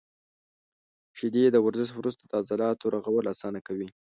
• شیدې د ورزش وروسته د عضلاتو رغول اسانه کوي.